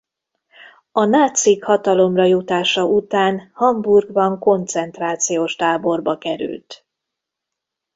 A nácik hatalomra jutása után Hamburgban koncentrációs táborba került.